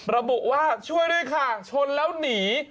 ระบุว่าช่วยด้วยค่ะชนแล้วหนี